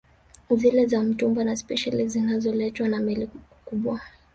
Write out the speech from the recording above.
Zile za mtumba na spesheli zinazoletwa na Meli kubwa